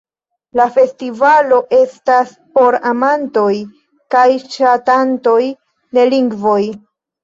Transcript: La festivalo estas por amantoj kaj ŝatantoj de lingvoj.